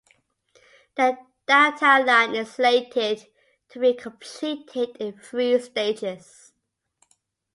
The Downtown Line is slated to be completed in three stages.